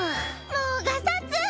もうがさつ！